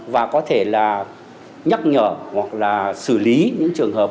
và có thể là nhắc nhở hoặc là xử lý những trường hợp